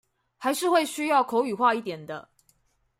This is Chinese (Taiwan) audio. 還是會需要口語化一點的